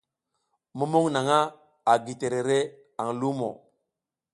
Mumuƞ naƞʼha a gi terere aƞ lumo.